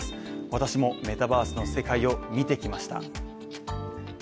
私も、メタバースの世界見てきました。